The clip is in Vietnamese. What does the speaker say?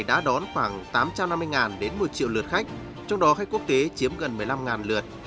đã đón khoảng tám trăm năm mươi đến một triệu lượt khách trong đó khách quốc tế chiếm gần một mươi năm lượt